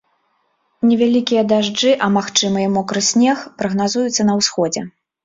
Невялікія дажджы, а магчыма і мокры снег прагназуюцца на ўсходзе.